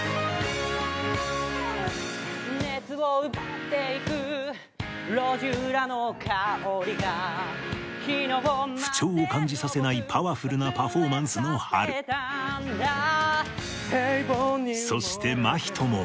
熱を奪っていく路地裏の香りが不調を感じさせないパワフルなパフォーマンスの遼そして真人も